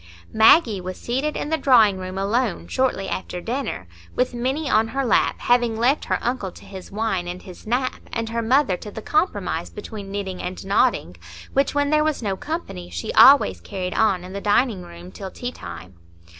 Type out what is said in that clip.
Maggie was seated in the drawing room, alone, shortly after dinner, with Minny on her lap, having left her uncle to his wine and his nap, and her mother to the compromise between knitting and nodding, which, when there was no company, she always carried on in the dining room till tea time.